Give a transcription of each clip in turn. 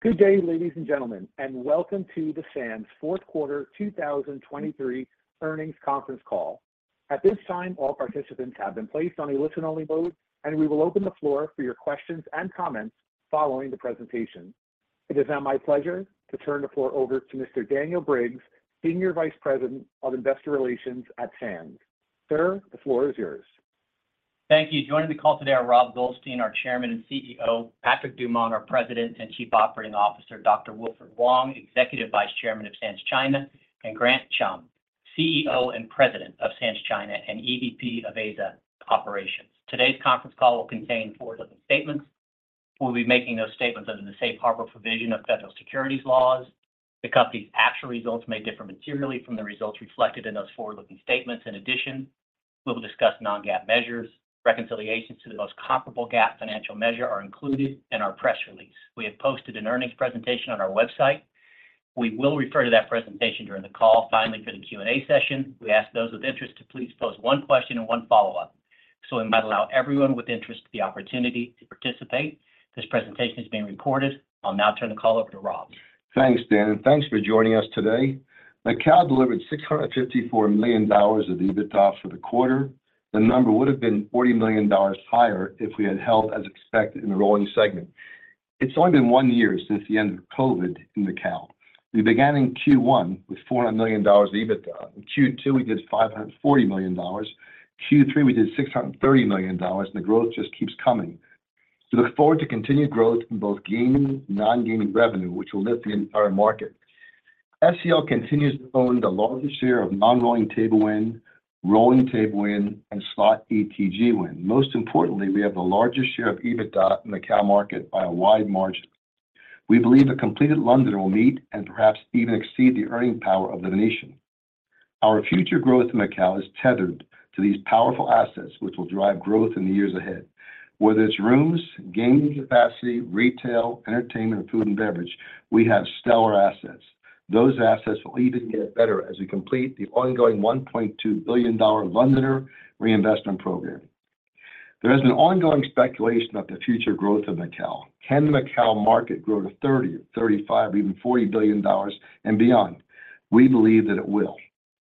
Good day, ladies and gentlemen, and welcome to the Sands' fourth quarter 2023 earnings conference call. At this time, all participants have been placed on a listen-only mode, and we will open the floor for your questions and comments following the presentation. It is now my pleasure to turn the floor over to Mr. Daniel Briggs, Senior Vice President of Investor Relations at Sands. Sir, the floor is yours. Thank you. Joining the call today are Rob Goldstein, our Chairman and CEO, Patrick Dumont, our President and Chief Operating Officer, Dr. Wilfred Wong, Executive Vice Chairman of Sands China, and Grant Chum, CEO and President of Sands China and EVP of Asia Operations. Today's conference call will contain forward-looking statements. We'll be making those statements under the safe harbor provision of federal securities laws. The company's actual results may differ materially from the results reflected in those forward-looking statements. In addition, we will discuss non-GAAP measures. Reconciliations to the most comparable GAAP financial measure are included in our press release. We have posted an earnings presentation on our website. We will refer to that presentation during the call. Finally, for the Q&A session, we ask those with interest to please pose one question and one follow-up, so we might allow everyone with interest the opportunity to participate. This presentation is being recorded. I'll now turn the call over to Rob. Thanks, Dan, and thanks for joining us today. Macao delivered $654,000,000 of EBITDA for the quarter. The number would have been $40,000,000 higher if we had held as expected in the rolling segment. It's only been one year since the end of COVID in Macao. We began in Q1 with $400,000,000 of EBITDA. In Q2, we did $540,000,000. Q3, we did $630,000,000, and the growth just keeps coming. We look forward to continued growth in both gaming, non-gaming revenue, which will lift the entire market. Sands China Ltd. continues to own the largest share of non-rolling table win, rolling table win, and slot ETG win. Most importantly, we have the largest share of EBITDA in the Macao market by a wide margin. We believe a completed Londoner will meet and perhaps even exceed the earning power of the Venetian. Our future growth in Macao is tethered to these powerful assets, which will drive growth in the years ahead. Whether it's rooms, gaming capacity, retail, entertainment, or food and beverage, we have stellar assets. Those assets will even get better as we complete the ongoing $1,200,000,000 Londoner reinvestment program. There has been ongoing speculation about the future growth of Macao. Can the Macao market grow to $30,000,000,000, $35,000,000,000, or even $40,000,000,000 and beyond? We believe that it will.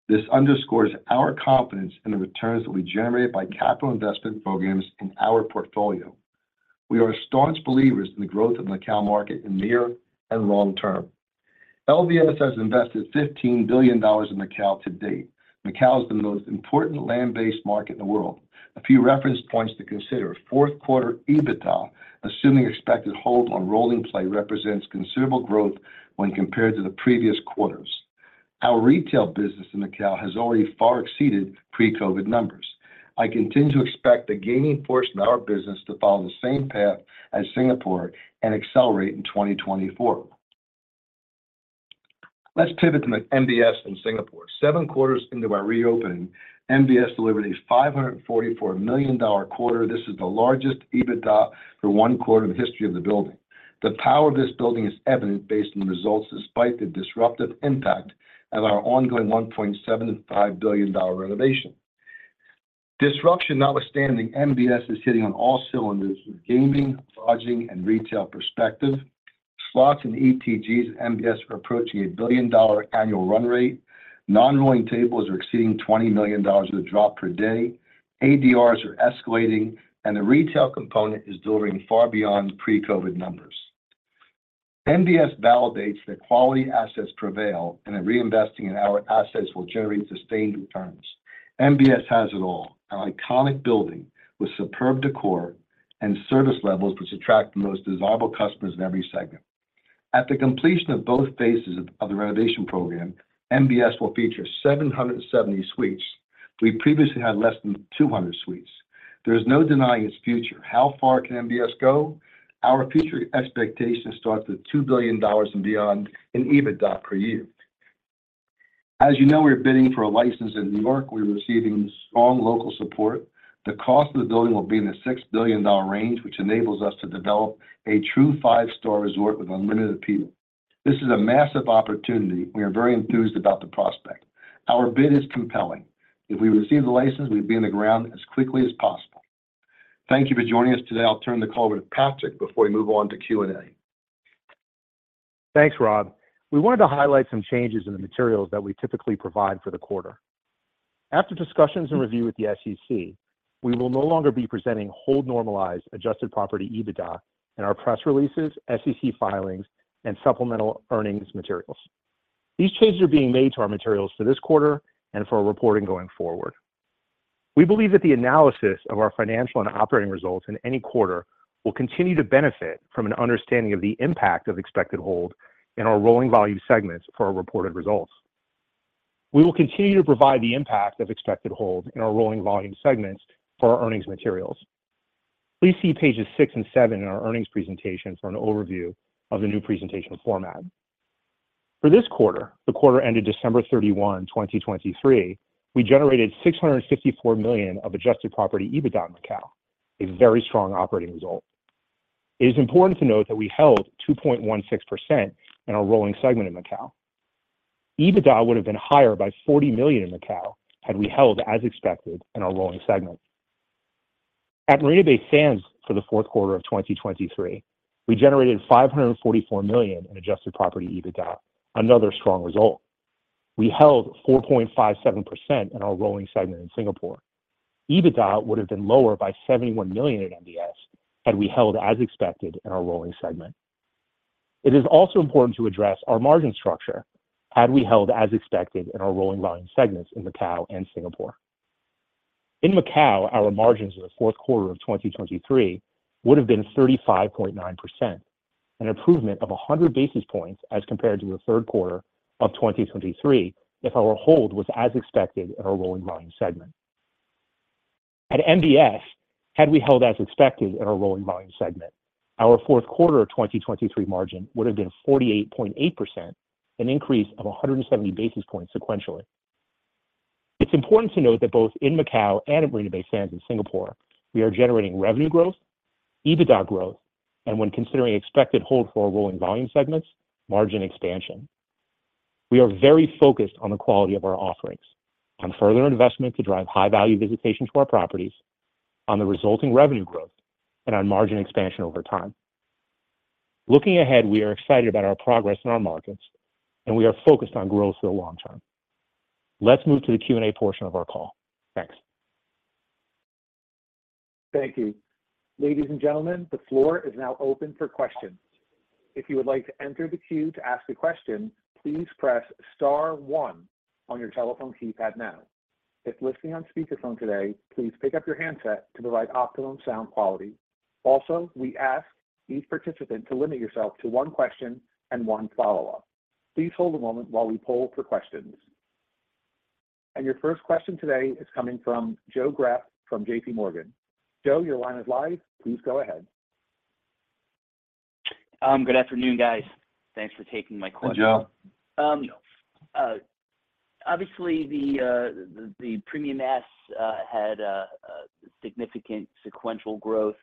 This underscores our confidence in the returns that we generate by capital investment programs in our portfolio. We are staunch believers in the growth of Macao market in near and long term. LVS has invested $15,000,000,000 in Macao to date. Macao is the most important land-based market in the world. A few reference points to consider: fourth quarter EBITDA, assuming expected hold on rolling play, represents considerable growth when compared to the previous quarters. Our retail business in Macao has already far exceeded pre-COVID numbers. I continue to expect the gaming portion of our business to follow the same path as Singapore and accelerate in 2024. Let's pivot to MBS in Singapore. Seven quarters into our reopening, MBS delivered a $544,000,000 quarter. This is the largest EBITDA for one quarter in the history of the building. The power of this building is evident based on the results, despite the disruptive impact of our ongoing $1,750,000,000 renovation. Disruption notwithstanding, MBS is hitting on all cylinders from gaming, lodging, and retail perspective. Slots and ETGs at MBS are approaching a $1,000,000,000 annual run rate. Non-rolling tables are exceeding $20,000,000 of drop per day, ADRs are escalating, and the retail component is delivering far beyond pre-COVID numbers. MBS validates that quality assets prevail, and that reinvesting in our assets will generate sustained returns. MBS has it all: an iconic building with superb decor and service levels, which attract the most desirable customers in every segment. At the completion of both phases of the renovation program, MBS will feature 770 suites. We previously had less than 200 suites. There is no denying its future. How far can MBS go? Our future expectations start at $2,000,000,000 and beyond in EBITDA per year. As you know, we're bidding for a license in New York. We're receiving strong local support. The cost of the building will be in the $6,000,000,000 range, which enables us to develop a true five-star resort with unlimited appeal. This is a massive opportunity. We are very enthused about the prospect. Our bid is compelling. If we receive the license, we'll be on the ground as quickly as possible. Thank you for joining us today. I'll turn the call over to Patrick before we move on to Q&A. Thanks, Rob. We wanted to highlight some changes in the materials that we typically provide for the quarter. After discussions and review with the SEC, we will no longer be presenting hold normalized adjusted property EBITDA in our press releases, SEC filings, and supplemental earnings materials. These changes are being made to our materials for this quarter and for our reporting going forward. We believe that the analysis of our financial and operating results in any quarter will continue to benefit from an understanding of the impact of expected hold in our rolling volume segments for our reported results. We will continue to provide the impact of expected hold in our rolling volume segments for our earnings materials. Please see pages 6 and 7 in our earnings presentation for an overview of the new presentation format. For this quarter, the quarter ended December 31, 2023, we generated $654,000,000 of adjusted property EBITDA in Macao, a very strong operating result. It is important to note that we held 2.16% in our rolling segment in Macao. EBITDA would have been higher by $40,000,000 in Macao had we held as expected in our rolling segment. At Marina Bay Sands, for the fourth quarter of 2023, we generated $544,000,000 in adjusted property EBITDA, another strong result. We held 4.57% in our rolling segment in Singapore. EBITDA would have been lower by $71,000,000 at MBS had we held as expected in our rolling segment. It is also important to address our margin structure had we held as expected in our rolling volume segments in Macao and Singapore. In Macao, our margins in the fourth quarter of 2023 would have been 35.9%, an improvement of 100 basis points as compared to the third quarter of 2023, if our hold was as expected in our rolling volume segment. At MBS, had we held as expected in our rolling volume segment, our fourth quarter of 2023 margin would have been 48.8%, an increase of 170 basis points sequentially. It's important to note that both in Macao and at Marina Bay Sands in Singapore, we are generating revenue growth, EBITDA growth, and when considering expected hold for our rolling volume segments, margin expansion. We are very focused on the quality of our offerings, on further investment to drive high-value visitation to our properties, on the resulting revenue growth, and on margin expansion over time. Looking ahead, we are excited about our progress in our markets, and we are focused on growth for the long term. Let's move to the Q&A portion of our call. Thanks. Thank you. Ladies and gentlemen, the floor is now open for questions. If you would like to enter the queue to ask a question, please press star one on your telephone keypad now. If listening on speaker phone today, please pick up your handset to provide optimum sound quality. Also, we ask each participant to limit yourself to one question and one follow-up. Please hold a moment while we poll for questions. Your first question today is coming from Joseph Greff from J.P. Morgan. Joseph, your line is live. Please go ahead. Good afternoon, guys. Thanks for taking my question. Hey, Joe. Obviously, the premium mass had a significant sequential growth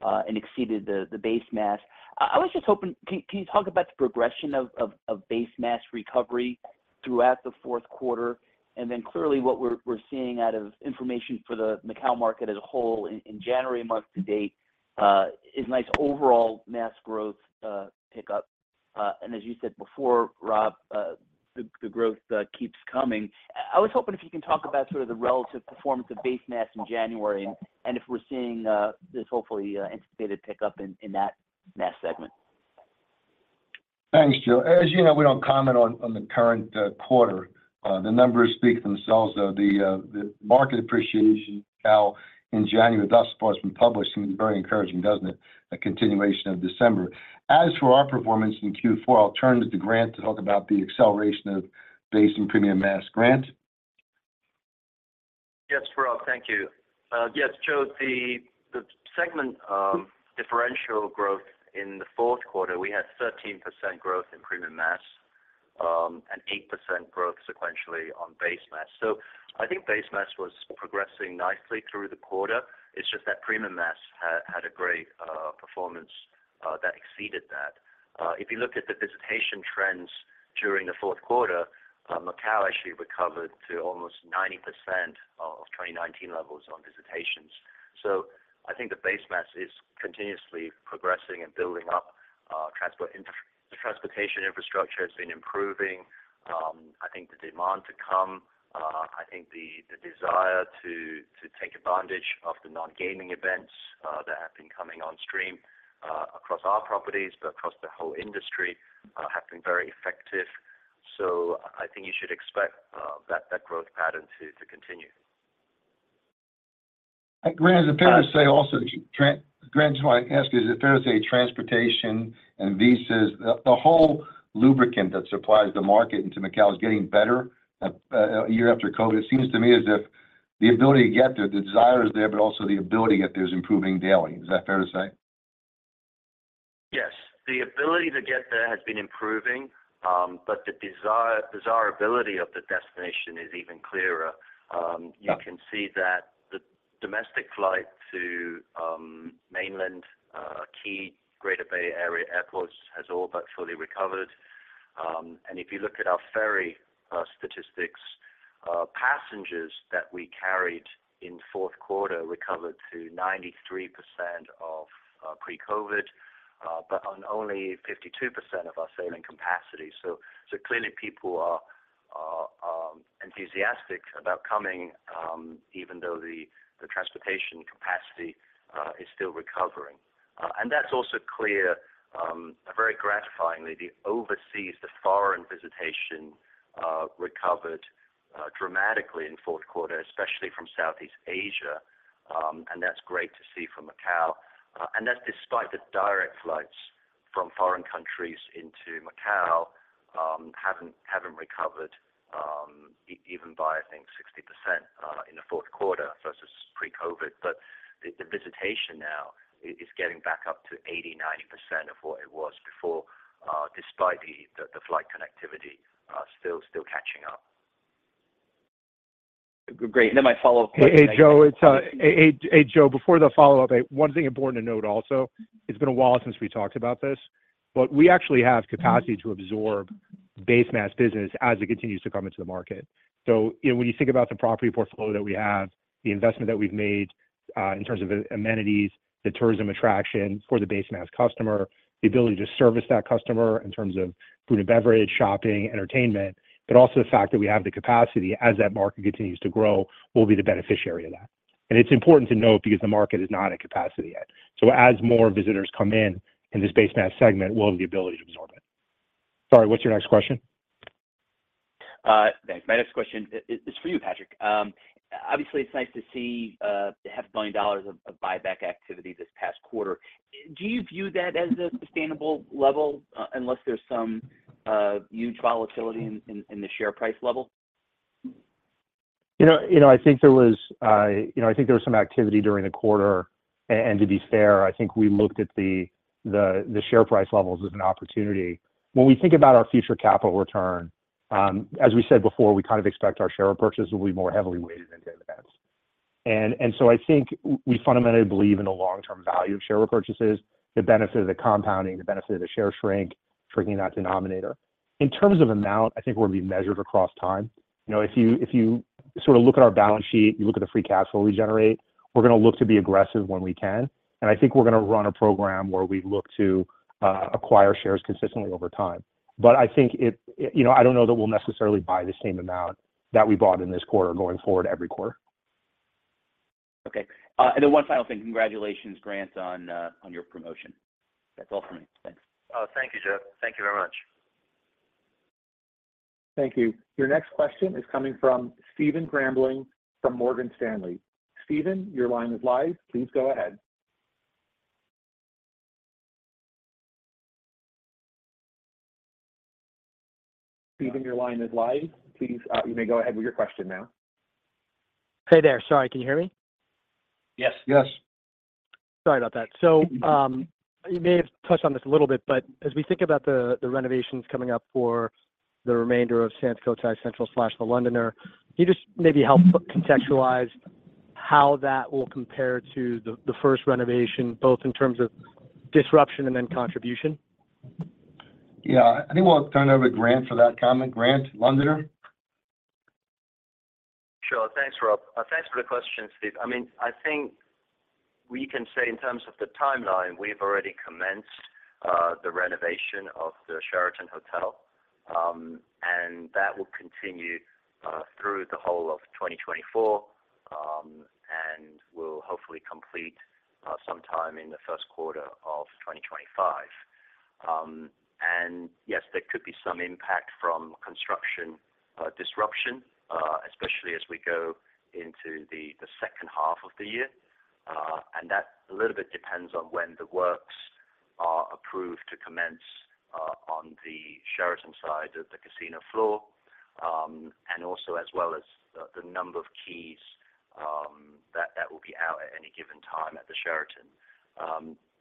and exceeded the base mass. I was just hoping, can you talk about the progression of base mass recovery throughout the fourth quarter? And then clearly, what we're seeing out of information for the Macao market as a whole in January month to date is a nice overall mass growth pickup. And as you said before, Rob, the growth keeps coming. I was hoping if you can talk about sort of the relative performance of base mass in January, and if we're seeing this hopefully anticipated pickup in that mass segment. Thanks, Joe. As you know, we don't comment on the current quarter. The numbers speak for themselves, though. The market appreciation in Macao in January, thus far, has been published, and very encouraging, doesn't it? A continuation of December. As for our performance in Q4, I'll turn it to Grant to talk about the acceleration of base mass and premium mass. Grant? Yes, Rob, thank you. Yes, Joe, the segment differential growth in the fourth quarter, we had 13% growth in premium mass, and 8% growth sequentially on base mass. So I think base mass was progressing nicely through the quarter. It's just that premium mass had a great performance that exceeded that. If you look at the visitation trends during the fourth quarter, Macao actually recovered to almost 90% of 2019 levels on visitations. So I think the base mass is continuously progressing and building up. Transportation infrastructure has been improving. I think the demand to come, I think the desire to take advantage of the non-gaming events that have been coming on stream across our properties, but across the whole industry, have been very effective. I think you should expect that growth pattern to continue. Grant, is it fair to say also, Grant, I want to ask you, is it fair to say transportation and visas, the whole lubricant that supplies the market into Macao is getting better, a year after COVID? It seems to me as if the ability to get there, the desire is there, but also the ability to get there is improving daily. Is that fair to say? Yes, the ability to get there has been improving, but the desirability of the destination is even clearer. You can see that the domestic flight to mainland key Greater Bay Area airports has all but fully recovered. And if you look at our ferry statistics, passengers that we carried in fourth quarter recovered to 93% of pre-COVID, but on only 52% of our sailing capacity. So clearly, people are enthusiastic about coming, even though the transportation capacity is still recovering. And that's also clear, very gratifyingly, the overseas foreign visitation recovered dramatically in fourth quarter, especially from Southeast Asia, and that's great to see from Macao. And that's despite the direct flights from foreign countries into Macao haven't recovered even by, I think, 60% in the fourth quarter versus pre-COVID. But the visitation now is getting back up to 80%-90% of what it was before, despite the flight connectivity still catching up. Great. And then my follow-up question- Hey, Joe, Hey, hey, hey, Joe, before the follow-up, one thing important to note also. It's been a while since we talked about this. But we actually have capacity to absorb base mass business as it continues to come into the market. So, you know, when you think about the property portfolio that we have, the investment that we've made, in terms of amenities, the tourism attraction for the base mass customer, the ability to service that customer in terms of food and beverage, shopping, entertainment, but also the fact that we have the capacity as that market continues to grow, we'll be the beneficiary of that. And it's important to note because the market is not at capacity yet. So as more visitors come in, in this base mass segment, we'll have the ability to absorb it. Sorry, what's your next question? Thanks. My next question is for you, Patrick. Obviously, it's nice to see $500,000,000 of buyback activity this past quarter. Do you view that as a sustainable level unless there's some huge volatility in the share price level? You know, I think there was some activity during the quarter. To be fair, I think we looked at the share price levels as an opportunity. When we think about our future capital return, as we said before, we kind of expect our share repurchase will be more heavily weighted into events. And so I think we fundamentally believe in the long-term value of share repurchases, the benefit of the compounding, the benefit of the share shrink, shrinking that denominator. In terms of amount, I think we'll be measured across time. You know, if you sort of look at our balance sheet, you look at the free cash flow we generate, we're gonna look to be aggressive when we can. I think we're gonna run a program where we look to acquire shares consistently over time. But I think it, you know, I don't know that we'll necessarily buy the same amount that we bought in this quarter going forward every quarter. Okay. And then one final thing. Congratulations, Grant, on your promotion. That's all for me. Thanks. Oh, thank you, Greff. Thank you very much. Thank you. Your next question is coming from Stephen Grambling from Morgan Stanley. Stephen, your line is live. Please go ahead. Stephen, your line is live. Please, you may go ahead with your question now. Hey there. Sorry, can you hear me? Yes. Yes. Sorry about that. So, you may have touched on this a little bit, but as we think about the renovations coming up for the remainder of Sands Cotai Central/The Londoner, can you just maybe help contextualize how that will compare to the first renovation, both in terms of disruption and then contribution? Yeah. I think we'll turn over to Grant for that comment. Grant, Londoner? Sure. Thanks, Rob. Thanks for the question, Steve. I mean, I think we can say in terms of the timeline, we've already commenced the renovation of the Sheraton Hotel, and that will continue through the whole of 2024, and will hopefully complete sometime in the first quarter of 2025. And yes, there could be some impact from construction disruption, especially as we go into the second half of the year. And that a little bit depends on when the works are approved to commence on the Sheraton side of the casino floor, and also as well as the number of keys that will be out at any given time at the Sheraton.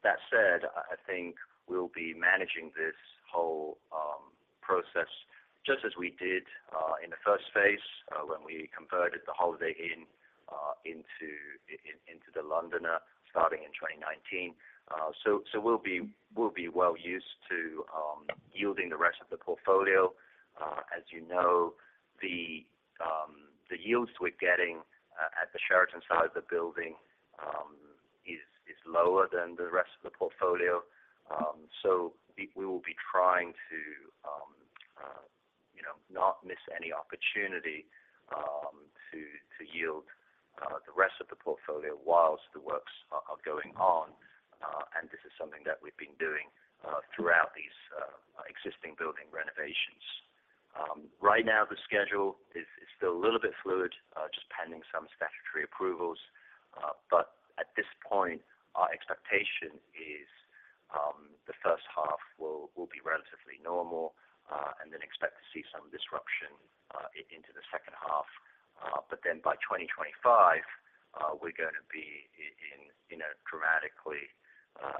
That said, I think we'll be managing this whole process just as we did in the first phase when we converted the Holiday Inn into The Londoner, starting in 2019. So we'll be well used to yielding the rest of the portfolio. As you know, the yields we're getting at the Sheraton side of the building is lower than the rest of the portfolio. So we will be trying to, you know, not miss any opportunity to yield the rest of the portfolio whilst the works are going on. And this is something that we've been doing throughout these existing building renovations. Right now, the schedule is still a little bit fluid, just pending some statutory approvals, but at this point, our expectation is the first half will be relatively normal, and then expect to see some disruption into the second half. But then by 2025, we're going to be in a dramatically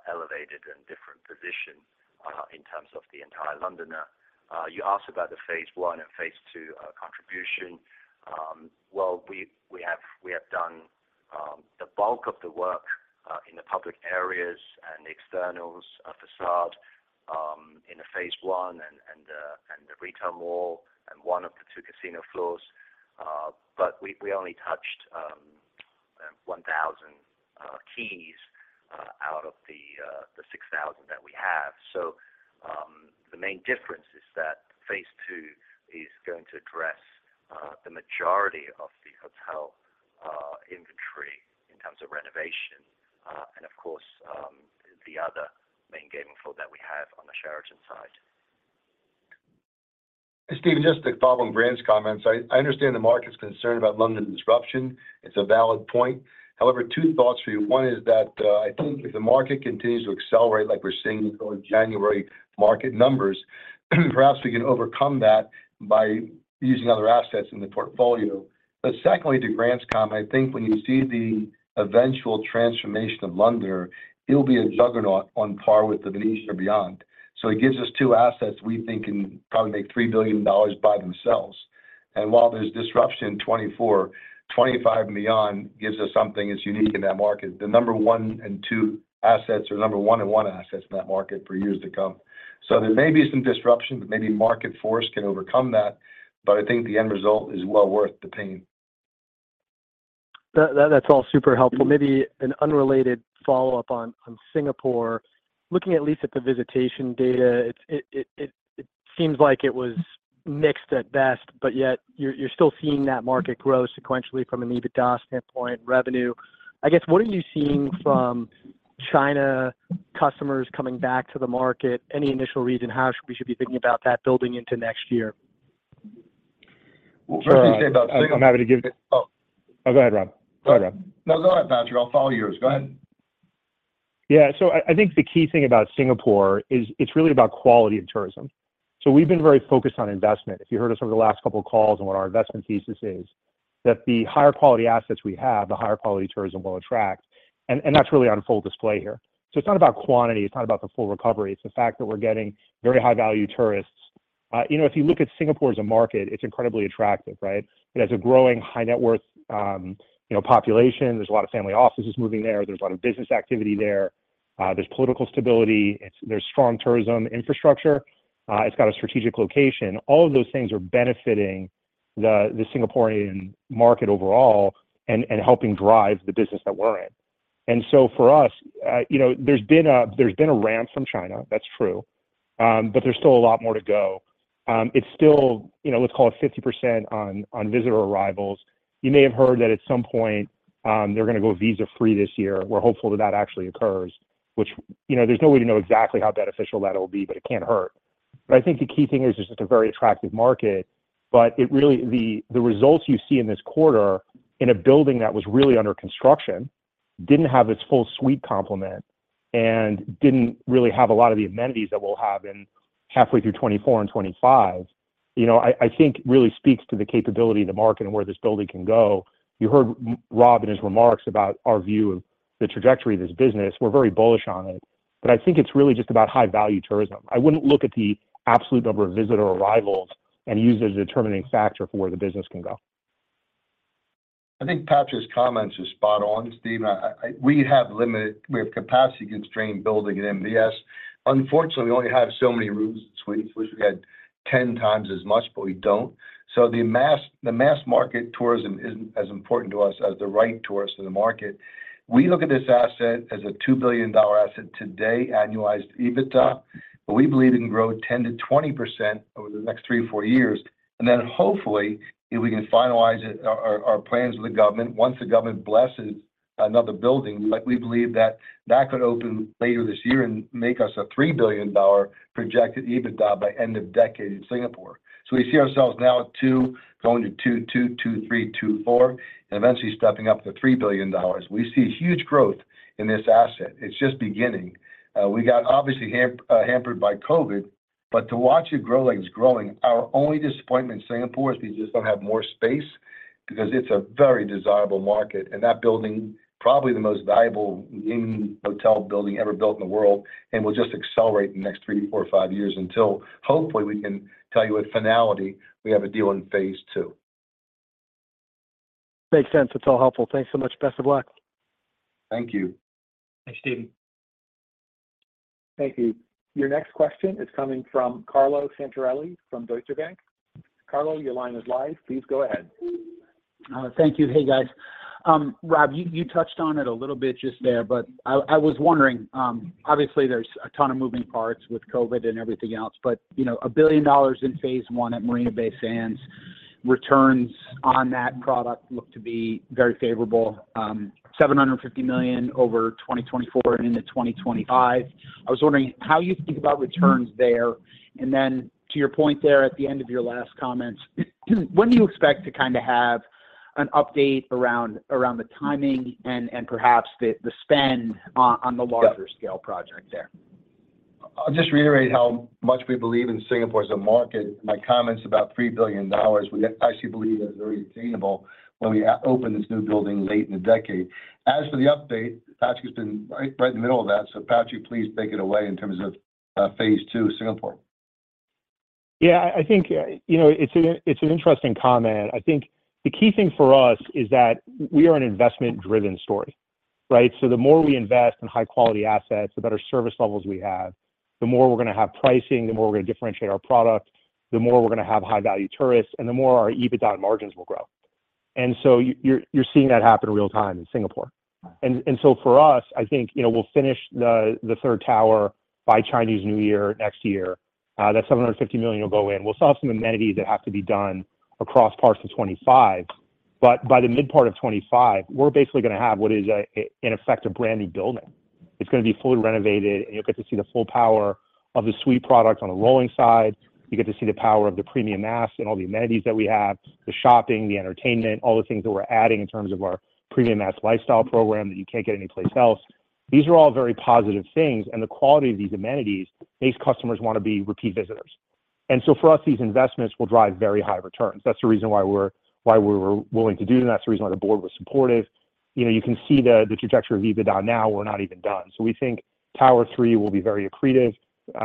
elevated and different position in terms of the entire The Londoner. You asked about the phase one and phase two contribution. Well, we have done the bulk of the work in the public areas and the external façade But we only touched 1,000 keys out of the 6,000 that we have. So, the main difference is that phase two is going to address the majority of the hotel inventory in terms of renovation, and of course, the other main gaming floor that we have on the Sheraton side. Stephen, just to follow on Grant's comments. I understand the market's concerned about Londoner disruption. It's a valid point. However, two thoughts for you. One is that, I think if the market continues to accelerate like we're seeing with those January market numbers, perhaps we can overcome that by using other assets in the portfolio. But secondly, to Grant's comment, I think when you see the eventual transformation of Londoner, it'll be a juggernaut on par with the Venetian or beyond. So it gives us two assets we think can probably make $3,000,000,000 by themselves.... While there's disruption in 2024, 2025 and beyond gives us something that's unique in that market. The number one and two assets, or number one and one assets in that market for years to come. So there may be some disruption, but maybe market force can overcome that, but I think the end result is well worth the pain. That, that's all super helpful. Maybe an unrelated follow-up on Singapore. Looking at least at the visitation data, it seems like it was mixed at best, but yet you're still seeing that market grow sequentially from an EBITDA standpoint, revenue. I guess, what are you seeing from China customers coming back to the market? Any initial read in how we should be thinking about that building into next year? Well, first thing about Singapore- Oh, oh, go ahead, Rob. Go ahead, Rob. No, go ahead, Patrick. I'll follow yours. Go ahead. Yeah. So I think the key thing about Singapore is it's really about quality of tourism. So we've been very focused on investment. If you heard us over the last couple of calls on what our investment thesis is, that the higher quality assets we have, the higher quality tourism we'll attract, and that's really on full display here. So it's not about quantity, it's not about the full recovery, it's the fact that we're getting very high-value tourists. You know, if you look at Singapore as a market, it's incredibly attractive, right? It has a growing high net worth, you know, population, there's a lot of family offices moving there, there's a lot of business activity there, there's political stability, it's, there's strong tourism infrastructure, it's got a strategic location. All of those things are benefiting the Singaporean market overall and helping drive the business that we're in. And so for us, you know, there's been a ramp from China, that's true, but there's still a lot more to go. It's still, you know, let's call it 50% on visitor arrivals. You may have heard that at some point, they're going to go visa-free this year. We're hopeful that that actually occurs, which, you know, there's no way to know exactly how beneficial that'll be, but it can't hurt. But I think the key thing is it's just a very attractive market, but it really, the results you see in this quarter, in a building that was really under construction, didn't have its full suite complement, and didn't really have a lot of the amenities that we'll have in halfway through 2024 and 2025, you know, I think really speaks to the capability of the market and where this building can go. You heard Rob in his remarks about our view of the trajectory of this business. We're very bullish on it, but I think it's really just about high-value tourism. I wouldn't look at the absolute number of visitor arrivals and use it as a determining factor for where the business can go. I think Patrick's comments are spot on, Steven. We have limited capacity constrained building at MBS. Unfortunately, we only have so many rooms and suites. We wish we had 10 times as much, but we don't. So the mass, the mass market tourism isn't as important to us as the right tourist in the market. We look at this asset as a $2,000,000,000 asset today, annualized EBITDA, but we believe it can grow 10%-20% over the next three or four years. Then hopefully, if we can finalize our plans with the government, once the government blesses another building, we believe that could open later this year and make us a $3,000,000,000 projected EBITDA by end of decade in Singapore. So we see ourselves now at $2,000,000,000, going to $2,200,000,000, $2,300,000,000, $2,400,000,000, and eventually stepping up to $3,000,000,000. We see huge growth in this asset. It's just beginning. We got obviously hampered by COVID, but to watch it grow like it's growing, our only disappointment in Singapore is we just don't have more space, because it's a very desirable market, and that building, probably the most valuable iconic hotel building ever built in the world, and will just accelerate in the next 3, 4, or 5 years until hopefully we can tell you with finality, we have a deal in phase two. Makes sense. It's all helpful. Thanks so much. Best of luck. Thank you. Thanks, Steven. Thank you. Your next question is coming from Carlo Santarelli, from Deutsche Bank. Carlo, your line is live. Please go ahead. Thank you. Hey, guys. Rob, you touched on it a little bit just there, but I was wondering, obviously, there's a ton of moving parts with COVID and everything else, but, you know, $1,000,000,000 in phase one at Marina Bay Sands, returns on that product look to be very favorable. $750,000,000 over 2024 into 2025. I was wondering how you think about returns there, and then to your point there at the end of your last comments, when do you expect to kind of have an update around the timing and perhaps the spend on the larger- Yeah... scale project there? I'll just reiterate how much we believe in Singapore as a market. My comments about $3,000,000,000, we actually believe that's very attainable when we open this new building late in the decade. As for the update, Patrick has been right, right in the middle of that, so Patrick, please take it away in terms of phase two Singapore. Yeah, I think, you know, it's an interesting comment. I think the key thing for us is that we are an investment-driven story, right? So the more we invest in high-quality assets, the better service levels we have, the more we're going to have pricing, the more we're going to differentiate our product, the more we're going to have high-value tourists, and the more our EBITDA margins will grow. And so you're seeing that happen in real time in Singapore. And so for us, I think, you know, we'll finish the third tower by Chinese New Year next year. That $750,000,000 will go in. We'll still have some amenities that have to be done across parts of 2025, but by the mid part of 2025, we're basically going to have what is a, in effect, a brand-new building. It's going to be fully renovated, and you'll get to see the full power of the suite product on the rolling side. You get to see the power of the premium mass and all the amenities that we have, the shopping, the entertainment, all the things that we're adding in terms of our premium mass lifestyle program that you can't get anyplace else. These are all very positive things, and the quality of these amenities makes customers want to be repeat visitors. And so for us, these investments will drive very high returns. That's the reason why we're, why we were willing to do, and that's the reason why the board was supportive.... You know, you can see the trajectory of EBITDA now. We're not even done. So we think Tower Three will be very accretive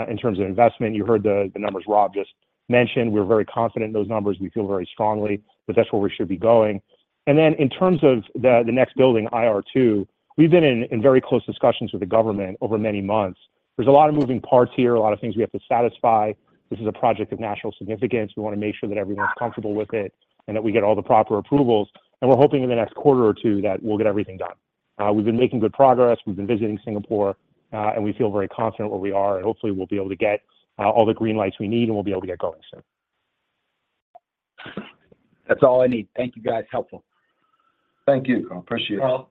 in terms of investment. You heard the numbers Rob just mentioned. We're very confident in those numbers. We feel very strongly that that's where we should be going. And then in terms of the next building, IR Two, we've been in very close discussions with the government over many months. There's a lot of moving parts here, a lot of things we have to satisfy. This is a project of national significance. We wanna make sure that everyone's comfortable with it and that we get all the proper approvals, and we're hoping in the next quarter or two that we'll get everything done. We've been making good progress. We've been visiting Singapore, and we feel very confident where we are, and hopefully we'll be able to get all the green lights we need, and we'll be able to get going soon. That's all I need. Thank you, guys. Helpful. Thank you. I appreciate it. Well-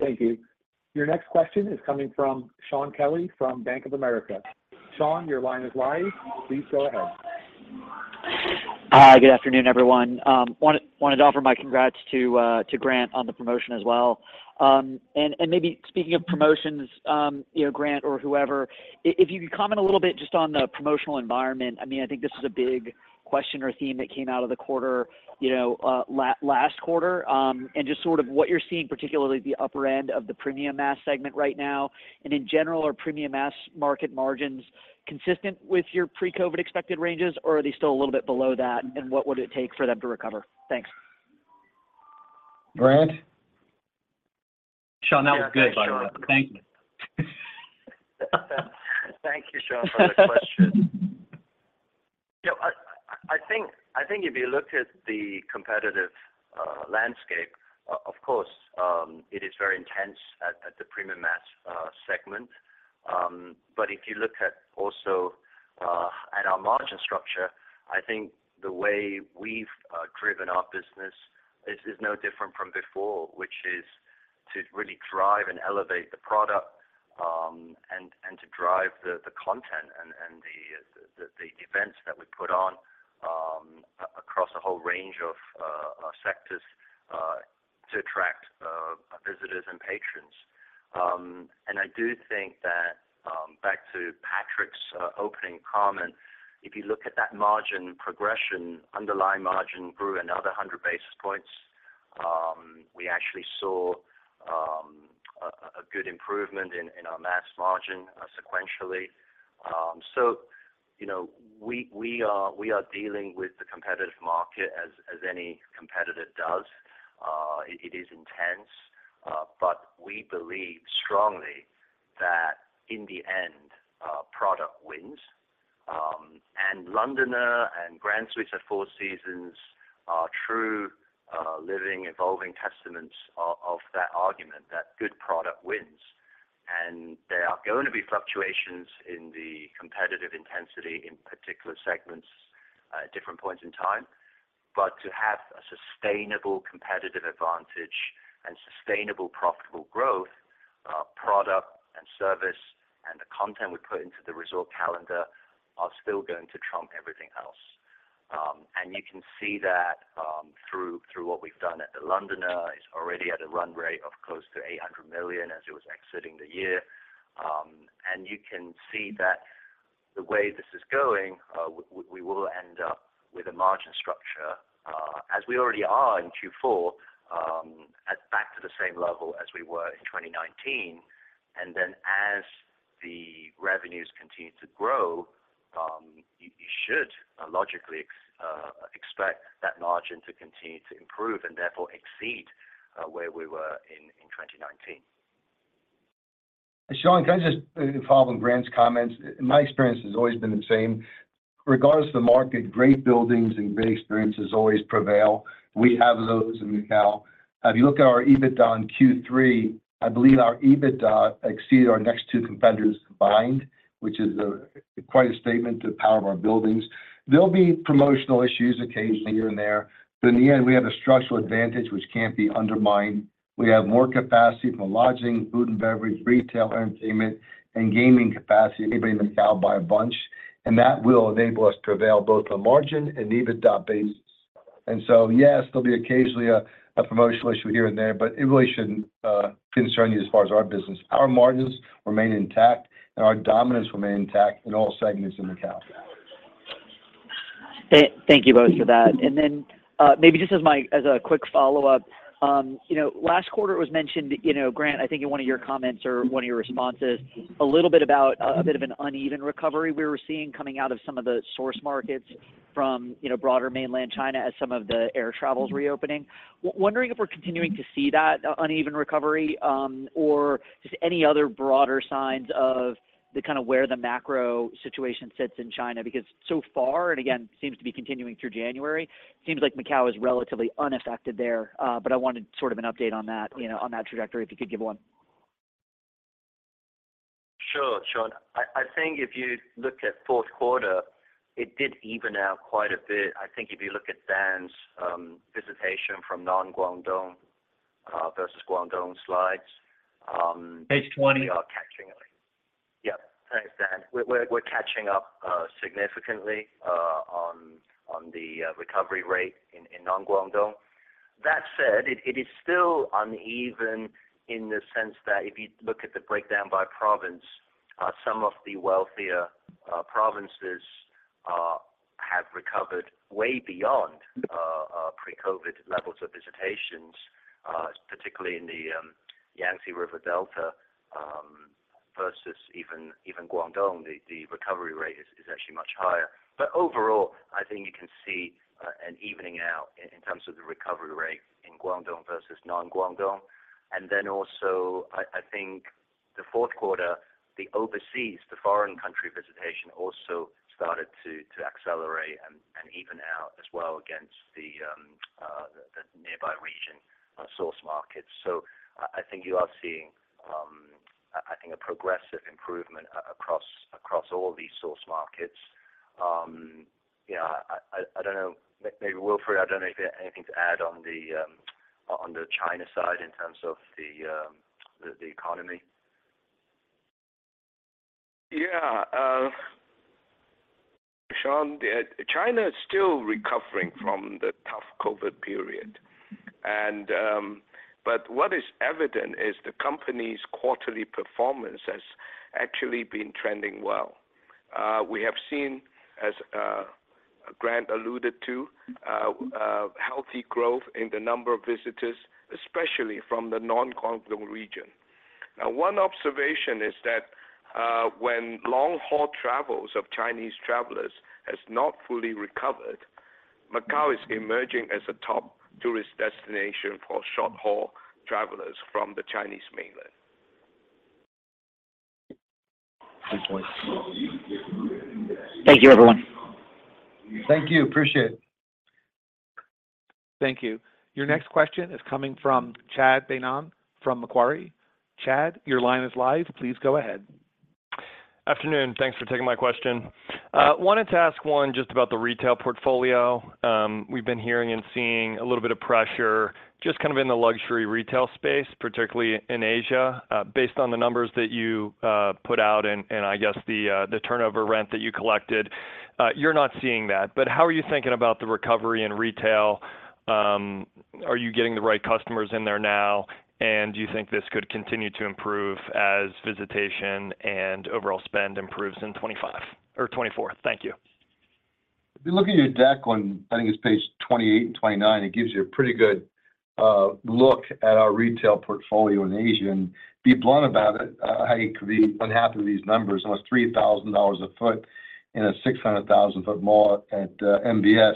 Thank you. Your next question is coming from Shaun Kelley from Bank of America. Shaun, your line is live. Please go ahead. Hi, good afternoon, everyone. Wanted to offer my congrats to Grant on the promotion as well. And maybe speaking of promotions, you know, Grant or whoever, if you could comment a little bit just on the promotional environment. I mean, I think this is a big question or theme that came out of the quarter, you know, last quarter. And just sort of what you're seeing, particularly at the upper end of the Premium Mass segment right now. And in general, are Premium Mass market margins consistent with your pre-COVID expected ranges, or are they still a little bit below that? And what would it take for them to recover? Thanks. Grant? Shaun, that was good, by the way. Thank you. Thank you, Shaun, for the question. You know, I think if you look at the competitive landscape, of course, it is very intense at the premium mass segment. But if you look at also at our margin structure, I think the way we've driven our business is no different from before, which is to really drive and elevate the product, and to drive the content and the events that we put on, across a whole range of sectors, to attract visitors and patrons. And I do think that, back to Patrick's opening comment, if you look at that margin progression, underlying margin grew another 100 basis points. We actually saw a good improvement in our mass margin, sequentially. So you know, we are dealing with the competitive market as any competitor does. It is intense, but we believe strongly that in the end, product wins. And The Londoner and Grand Suites at Four Seasons are true, living, evolving testaments of that argument, that good product wins. And there are going to be fluctuations in the competitive intensity, in particular segments, at different points in time. But to have a sustainable competitive advantage and sustainable profitable growth, product and service and the content we put into the resort calendar are still going to trump everything else. And you can see that, through what we've done at The Londoner. It's already at a run rate of close to $800,000,000 as it was exiting the year. And you can see that the way this is going, we will end up with a margin structure, as we already are in Q4, back to the same level as we were in 2019. And then, as the revenues continue to grow, you should logically expect that margin to continue to improve and therefore exceed where we were in 2019. Shaun, can I just follow on Brandt's comments? My experience has always been the same. Regardless of the market, great buildings and great experiences always prevail. We have those in Macao. If you look at our EBITDA in Q3, I believe our EBITDA exceeded our next two competitors combined, which is a, quite a statement to the power of our buildings. There'll be promotional issues occasionally here and there, but in the end, we have a structural advantage, which can't be undermined. We have more capacity for lodging, food and beverage, retail, entertainment, and gaming capacity than anybody in Macao by a bunch, and that will enable us to prevail both on margin and EBITDA basis. And so, yes, there'll be occasionally a, a promotional issue here and there, but it really shouldn't concern you as far as our business. Our margins remain intact, and our dominance remain intact in all segments in Macao. Thank you both for that. Maybe just as a quick follow-up, you know, last quarter it was mentioned, you know, Grant, I think in one of your comments or one of your responses, a little bit about a bit of an uneven recovery we were seeing coming out of some of the source markets from, you know, broader mainland China as some of the air travel's reopening. Wondering if we're continuing to see that uneven recovery, or just any other broader signs of the kind of where the macro situation sits in China? Because so far, and again, seems to be continuing through January, seems like Macao is relatively unaffected there. But I wanted sort of an update on that, you know, on that trajectory, if you could give one. Sure, Shaun. I, I think if you look at fourth quarter, it did even out quite a bit. I think if you look at Dan's visitation from non-Guangdong versus Guangdong slides, Page twenty. We are catching up. Yeah, thanks, Dan. We're catching up significantly on the recovery rate in non-Guangdong. That said, it is still uneven in the sense that if you look at the breakdown by province, some of the wealthier provinces have recovered way beyond pre-COVID levels of visitations, particularly in the Yangtze River Delta, versus even Guangdong. The recovery rate is actually much higher. But overall, I think you can see an evening out in terms of the recovery rate in Guangdong versus non-Guangdong. And then also, I think the fourth quarter, the overseas, the foreign country visitation also started to accelerate and even out as well against the nearby region source markets. So I think you are seeing a progressive improvement across all these source markets. You know, I don't know, maybe Wilfred, I don't know if you have anything to add on the China side in terms of the economy? Yeah, Shaun, China is still recovering from the tough COVID period, and, but what is evident is the company's quarterly performance has actually been trending well. We have seen, as Grant alluded to, healthy growth in the number of visitors, especially from the non-Guangdong region. Now, one observation is that when long-haul travels of Chinese travelers has not fully recovered, Macao is emerging as a top tourist destination for short-haul travelers from the Chinese mainland. Good point. Thank you, everyone. Thank you. Appreciate it. Thank you. Your next question is coming from Chad Beynon from Macquarie. Chad, your line is live. Please go ahead. Afternoon. Thanks for taking my question. Wanted to ask one just about the retail portfolio. We've been hearing and seeing a little bit of pressure just kind of in the luxury retail space, particularly in Asia. Based on the numbers that you put out and I guess the turnover rent that you collected, you're not seeing that. But how are you thinking about the recovery in retail? Are you getting the right customers in there now? And do you think this could continue to improve as visitation and overall spend improves in 2025 or 2024? Thank you. If you look at your deck on, I think it's page 28 and 29, it gives you a pretty good look at our retail portfolio in Asia. Be blunt about it, I could be unhappy with these numbers, almost $3,000 a sq ft in a 600,000 sq ft mall at MBS.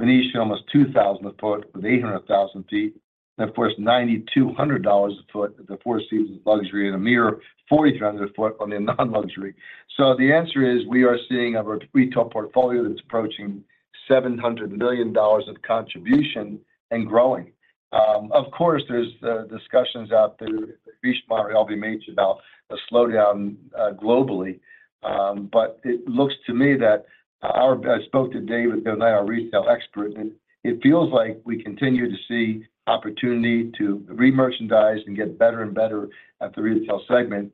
Venetian, almost $2,000 a sq ft with 800,000 sq ft, and of course, $9,200 a sq ft at the Four Seasons luxury, and a mere $4,300 a sq ft on the non-luxury. So the answer is, we are seeing a retail portfolio that's approaching $700,000,000 of contribution and growing. Of course, there's discussions out there, at least by LVMH, about a slowdown globally. But it looks to me that I spoke today with Bill Nay, our retail expert, and it feels like we continue to see opportunity to re-merchandise and get better and better at the retail segment.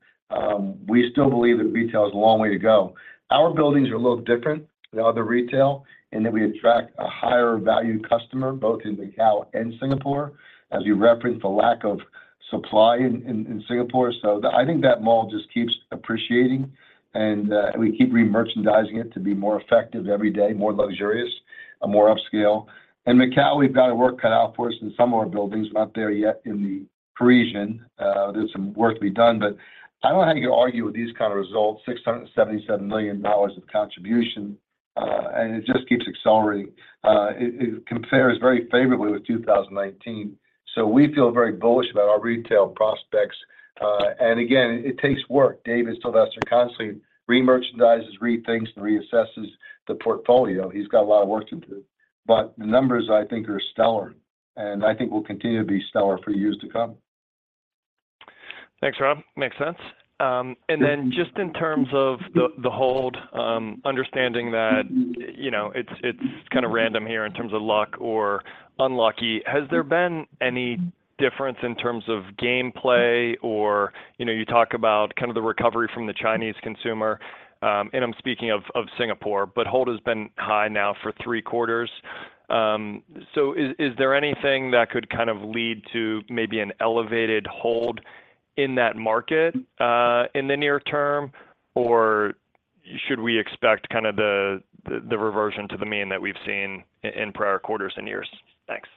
We still believe that retail has a long way to go. Our buildings are a little different than other retail, in that we attract a higher value customer, both in Macao and Singapore, as you referenced, the lack of supply in Singapore. So I think that mall just keeps appreciating, and we keep re-merchandising it to be more effective every day, more luxurious and more upscale. In Macao, we've got our work cut out for us in some of our buildings, not there yet in the Parisian. There's some work to be done, but I don't know how you argue with these kind of results, $677,000,000 of contribution, and it just keeps accelerating. It compares very favorably with 2019, so we feel very bullish about our retail prospects. And again, it takes work. David Sylvester constantly re-merchandises, rethinks, and reassesses the portfolio. He's got a lot of work to do, but the numbers, I think, are stellar, and I think will continue to be stellar for years to come. Thanks, Rob. Makes sense. And then just in terms of the hold, understanding that, you know, it's kind of random here in terms of luck or unlucky. Has there been any difference in terms of gameplay or, you know, you talk about kind of the recovery from the Chinese consumer, and I'm speaking of Singapore, but hold has been high now for three quarters. So is there anything that could kind of lead to maybe an elevated hold in that market in the near term, or should we expect kind of the reversion to the mean that we've seen in prior quarters and years? Thanks.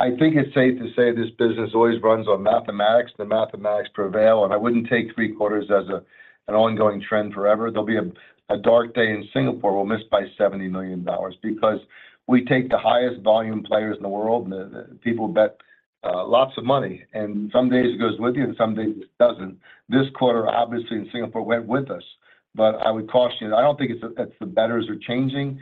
I think it's safe to say this business always runs on mathematics. The mathematics prevail, and I wouldn't take three quarters as an ongoing trend forever. There'll be a dark day in Singapore. We'll miss by $70,000,000 because we take the highest volume players in the world, and the people bet lots of money, and some days it goes with you, and some days it doesn't. This quarter, obviously, in Singapore, went with us, but I would caution, I don't think it's the-- that the bettors are changing.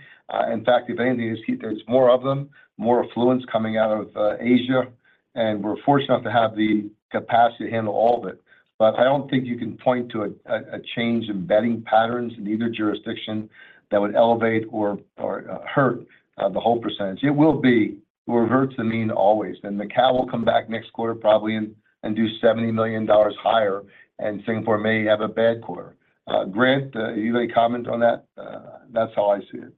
In fact, if anything, there's more of them, more affluence coming out of Asia, and we're fortunate enough to have the capacity to handle all of it. But I don't think you can point to a change in betting patterns in either jurisdiction that would elevate or hurt the whole percentage. It will be, it reverts the mean always, and Macao will come back next quarter, probably and do $70,000,000 higher, and Singapore may have a bad quarter. Grant, you want to comment on that? That's how I see it....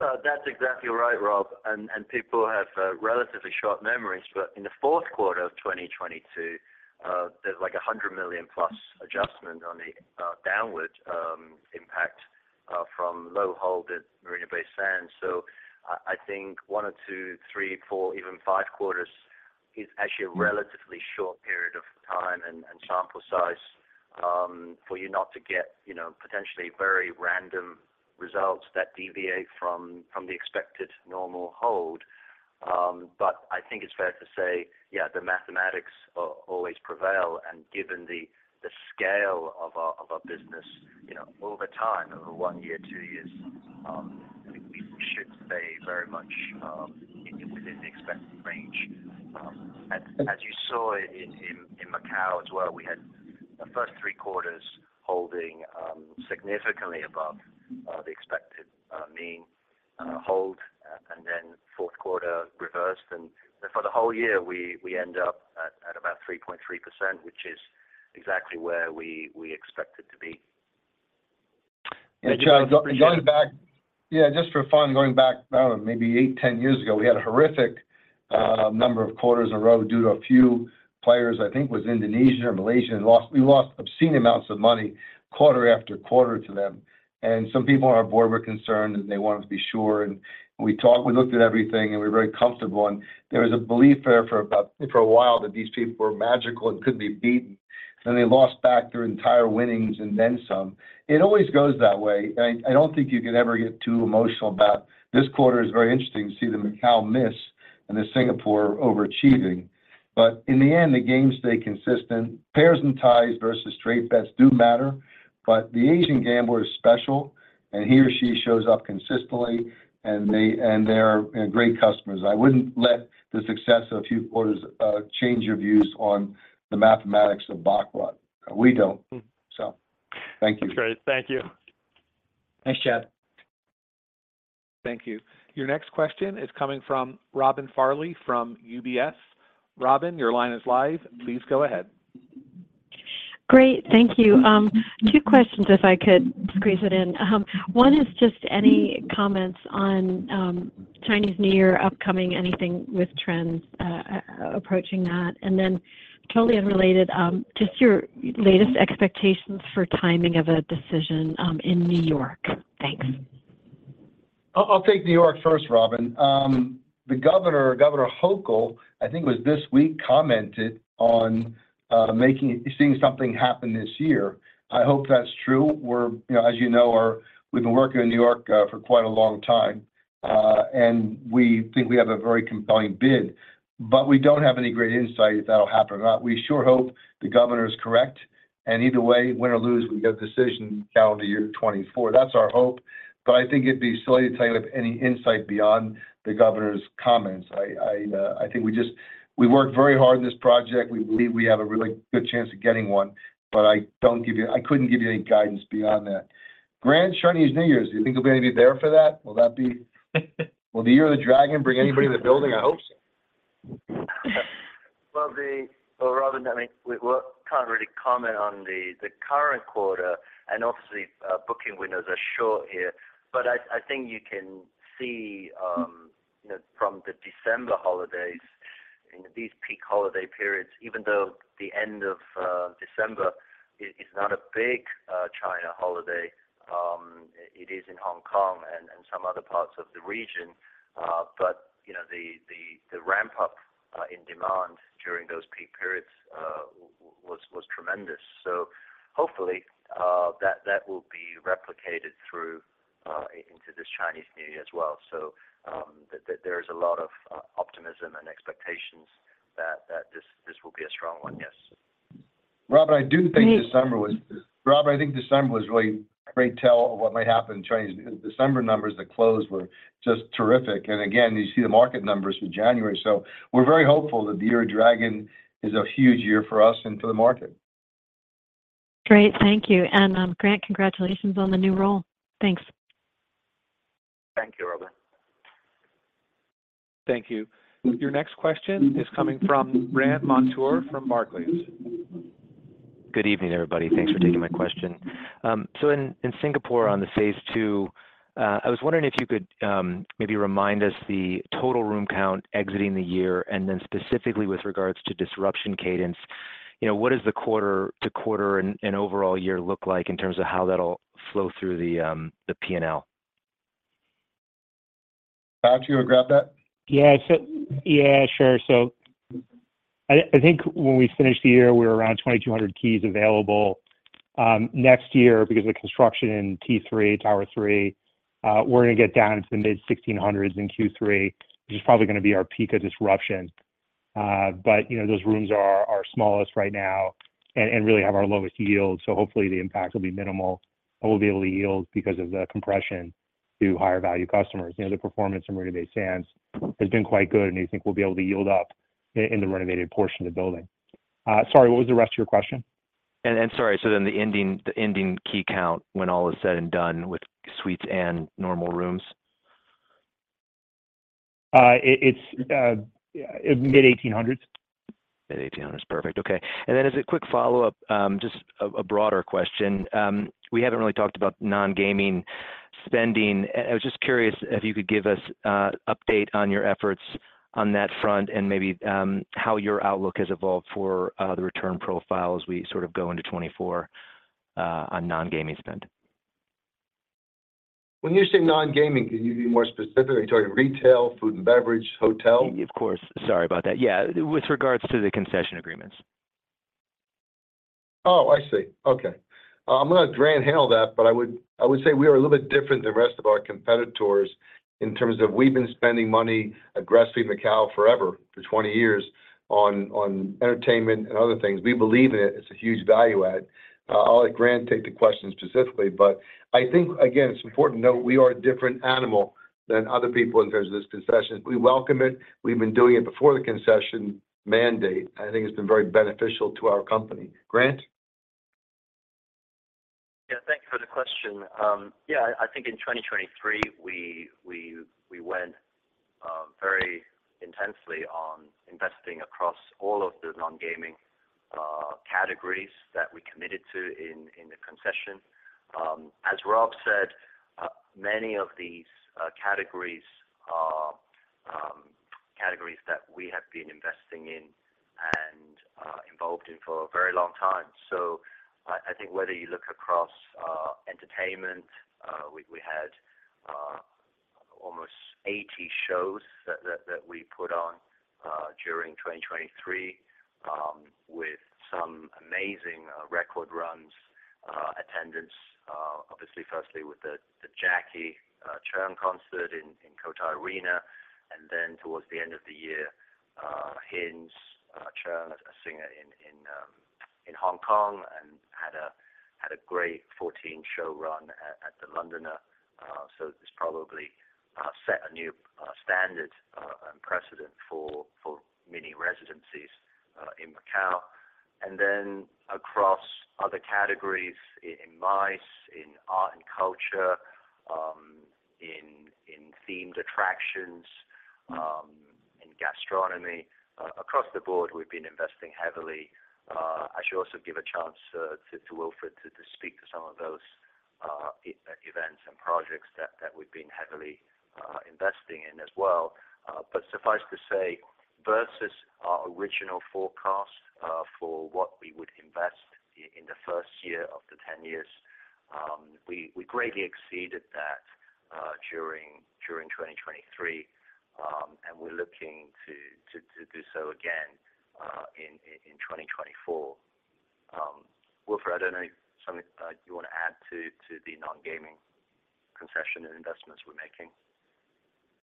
That's exactly right, Rob, and, and people have relatively short memories. But in the fourth quarter of 2022, there's like a $100,000,000+ adjustment on the downward impact from low hold at Marina Bay Sands. So I, I think one or two, three, four, even five quarters is actually a relatively short period of time and, and sample size for you not to get, you know, potentially very random results that deviate from the expected normal hold. But I think it's fair to say, yeah, the mathematics always prevail, and given the scale of our business, you know, over time, over one year, two years, I think we should stay very much in within the expected range. As you saw in Macao as well, we had the first three quarters holding significantly above the expected mean hold, and then fourth quarter reversed. But for the whole year, we end up at about 3.3%, which is exactly where we expected to be. Yeah, Chad, going back... Yeah, just for fun, going back, I don't know, maybe 8, 10 years ago, we had a horrific number of quarters in a row due to a few players. I think it was Indonesia or Malaysia, and we lost obscene amounts of money, quarter after quarter to them. And some people on our board were concerned, and they wanted to be sure, and we talked, we looked at everything, and we were very comfortable. And there was a belief there for about, for a while, that these people were magical and couldn't be beaten, and then they lost back their entire winnings and then some. It always goes that way, and I don't think you could ever get too emotional about... This quarter is very interesting to see the Macao miss and the Singapore overachieving. But in the end, the games stay consistent. Pairs and ties versus straight bets do matter, but the Asian gambler is special, and he or she shows up consistently, and they're great customers. I wouldn't let the success of a few quarters change your views on the mathematics of baccarat. We don't. So thank you. That's great. Thank you. Thanks, Chad. Thank you. Your next question is coming from Robin Farley from UBS. Robin, your line is live. Please go ahead. Great. Thank you. Two questions, if I could squeeze it in. One is just any comments on, Chinese New Year upcoming, anything with trends, approaching that? And then, totally unrelated, just your latest expectations for timing of a decision, in New York. Thanks. I'll take New York first, Robin. The governor, Governor Hochul, I think it was this week, commented on seeing something happen this year. I hope that's true. We're, you know, as you know, we've been working in New York for quite a long time, and we think we have a very compelling bid. But we don't have any great insight if that'll happen or not. We sure hope the governor is correct, and either way, win or lose, we've got a decision calendar year 2024. That's our hope. But I think it'd be silly to tell you of any insight beyond the governor's comments. I think we just worked very hard on this project. We believe we have a really good chance of getting one, but I couldn't give you any guidance beyond that. Grant, Chinese New Year's, do you think you'll maybe be there for that? Will the Year of the Dragon bring anybody to the building? I hope so. Well, Robin, I mean, we can't really comment on the current quarter, and obviously, booking windows are short here. But I think you can see, you know, from the December holidays, in these peak holiday periods, even though the end of December is not a big China holiday, it is in Hong Kong and some other parts of the region. But you know, the ramp up in demand during those peak periods was tremendous. So hopefully, that will be replicated through into this Chinese New Year as well. So, there is a lot of optimism and expectations that this will be a strong one. Yes. Robin, I do think- The- ...December was, Robin, I think December was really a great tell of what might happen in China, because December numbers that closed were just terrific. And again, you see the market numbers for January. So we're very hopeful that the Year of Dragon is a huge year for us and for the market. Great. Thank you. Grant, congratulations on the new role. Thanks. Thank you, Robin. Thank you. Your next question is coming from Brandt Montour from Barclays. Good evening, everybody. Thanks for taking my question. So in Singapore, on the phase two, I was wondering if you could maybe remind us the total room count exiting the year, and then specifically with regards to disruption cadence, you know, what does the quarter-to-quarter and overall year look like in terms of how that'll flow through the P&L? Rob, do you want to grab that? Yeah. So, yeah, sure. So I think when we finish the year, we're around 2,200 keys available. Next year, because of the construction in T3, Tower 3, we're gonna get down into the mid-1,600s in Q3, which is probably gonna be our peak of disruption. But, you know, those rooms are our smallest right now and really have our lowest yield, so hopefully the impact will be minimal, and we'll be able to yield because of the compression to higher value customers. You know, the performance in Marina Bay Sands has been quite good, and we think we'll be able to yield up in the renovated portion of the building. Sorry, what was the rest of your question? Sorry, so then the ending key count when all is said and done with suites and normal rooms?... It's mid-1800s. Mid-1800s. Perfect. Okay, and then as a quick follow-up, just a broader question. We haven't really talked about non-gaming spending. I was just curious if you could give us an update on your efforts on that front, and maybe how your outlook has evolved for the return profile as we sort of go into 2024 on non-gaming spend? When you say non-gaming, can you be more specific? Are you talking retail, food and beverage, hotel? Of course. Sorry about that. Yeah, with regards to the concession agreements. Oh, I see. Okay. I'm gonna let Grant handle that, but I would, I would say we are a little bit different than the rest of our competitors in terms of we've been spending money aggressively in Macao forever, for 20 years, on entertainment and other things. We believe in it. It's a huge value add. I'll let Grant take the question specifically, but I think, again, it's important to note we are a different animal than other people in terms of this concession. We welcome it. We've been doing it before the concession mandate. I think it's been very beneficial to our company. Grant? Yeah, thank you for the question. Yeah, I think in 2023, we went very intensely on investing across all of the non-gaming categories that we committed to in the concession. As Rob said, many of these categories are categories that we have been investing in and involved in for a very long time. So I think whether you look across entertainment, we had almost 80 shows that we put on during 2023, with some amazing record runs, attendance. Obviously, firstly with the Jackie Chan concert in Cotai Arena, and then towards the end of the year, Hins Cheung, a singer in Hong Kong, and had a great 14-show run at The Londoner. So this probably set a new standard and precedent for mini residencies in Macao. And then across other categories in MICE, in art and culture, in themed attractions, in gastronomy. Across the board, we've been investing heavily. I should also give a chance to Wilfred to speak to some of those events and projects that we've been heavily investing in as well. But suffice to say, versus our original forecast, for what we would invest in the first year of the ten years, we greatly exceeded that during 2023. And we're looking to do so again in 2024. Wilfred, I don't know if something you want to add to the non-gaming concession and investments we're making.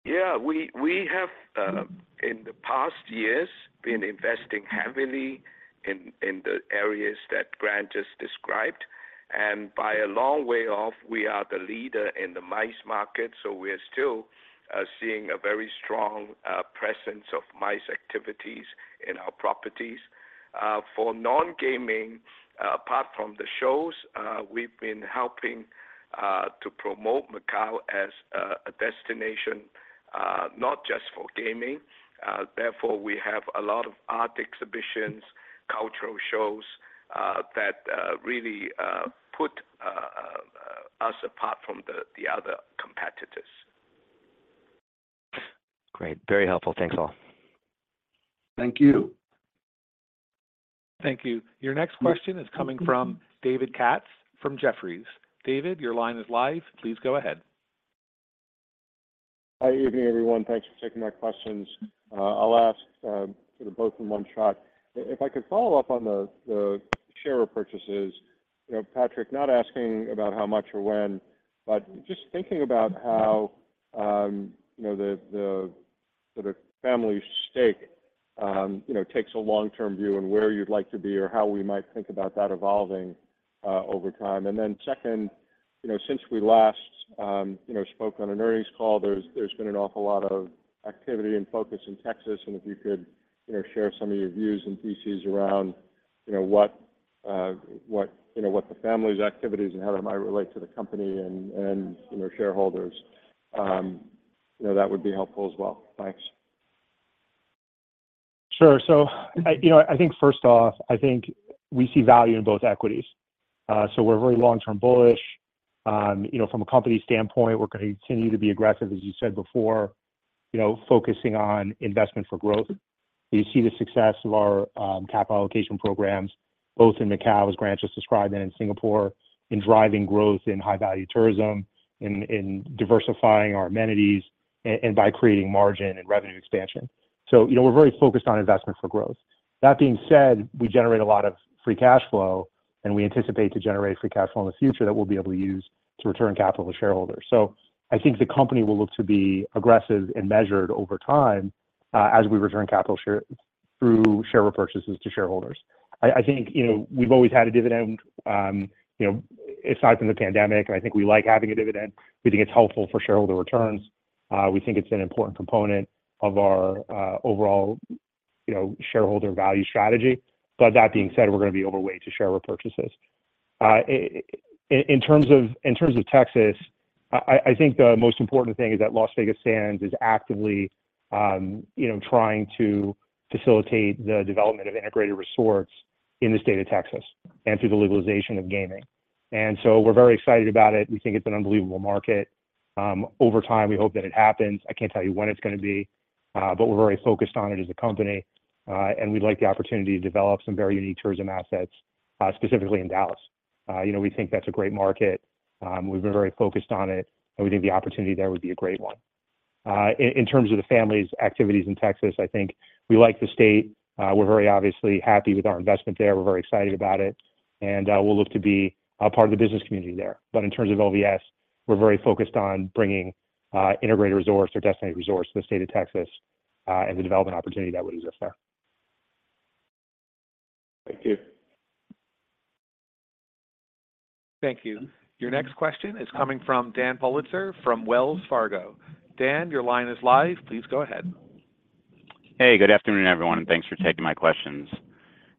Yeah, we have in the past years been investing heavily in the areas that Grant just described, and by a long way off, we are the leader in the MICE market, so we are still seeing a very strong presence of MICE activities in our properties. For non-gaming, apart from the shows, we've been helping to promote Macao as a destination not just for gaming. Therefore, we have a lot of art exhibitions, cultural shows that really put us apart from the other competitors. Great. Very helpful. Thanks, all. Thank you. Thank you. Your next question is coming from David Katz, from Jefferies. David, your line is live. Please go ahead. Hi, evening, everyone. Thanks for taking my questions. I'll ask sort of both in one shot. If I could follow up on the share repurchases. You know, Patrick, not asking about how much or when, but just thinking about how, you know, the sort of family stake, you know, takes a long-term view on where you'd like to be or how we might think about that evolving over time. And then second, you know, since we last, you know, spoke on an earnings call, there's been an awful lot of activity and focus in Texas, and if you could, you know, share some of your views and theses around, you know, what, what, you know, what the family's activities are and how that might relate to the company and, and, you know, shareholders, you know, that would be helpful as well. Thanks. Sure. So you know, I think first off, I think we see value in both equities. So we're very long-term bullish. You know, from a company standpoint, we're gonna continue to be aggressive, as you said before, you know, focusing on investment for growth. You see the success of our capital allocation programs, both in Macao, as Grant just described, and in Singapore, in driving growth in high-value tourism, in diversifying our amenities, and by creating margin and revenue expansion. So you know, we're very focused on investment for growth. That being said, we generate a lot of free cash flow, and we anticipate to generate free cash flow in the future that we'll be able to use to return capital to shareholders. So I think the company will look to be aggressive and measured over time, as we return capital share through share repurchases to shareholders. I think, you know, we've always had a dividend, you know, aside from the pandemic, and I think we like having a dividend. We think it's helpful for shareholder returns. We think it's an important component of our overall, you know, shareholder value strategy. But that being said, we're going to be overweight to share repurchases. In terms of Texas, I think the most important thing is that Las Vegas Sands is actively, you know, trying to facilitate the development of integrated resorts in the state of Texas and through the legalization of gaming. And so we're very excited about it. We think it's an unbelievable market. Over time, we hope that it happens. I can't tell you when it's going to be, but we're very focused on it as a company, and we'd like the opportunity to develop some very unique tourism assets, specifically in Dallas. You know, we think that's a great market, we've been very focused on it, and we think the opportunity there would be a great one. In terms of the family's activities in Texas, I think we like the state. We're very obviously happy with our investment there. We're very excited about it, and we'll look to be a part of the business community there. But in terms of LVS, we're very focused on bringing integrated resorts or designated resorts to the state of Texas, and the development opportunity that would exist there. Thank you. Thank you. Your next question is coming from Dan Politzer from Wells Fargo. Dan, your line is live. Please go ahead. Hey, good afternoon, everyone, and thanks for taking my questions.